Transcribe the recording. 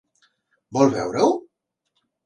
Vol veure-ho?